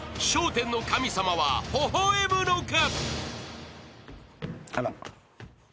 １０の神様はほほ笑むのか？］